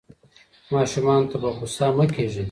ماشومانو ته په غوسه مه کېږئ.